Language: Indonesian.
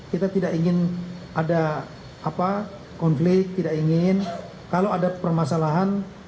kita tidak ingin ada konflik tidak ingin kalau ada permasalahan